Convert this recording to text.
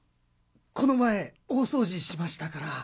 この前大掃除しましたから。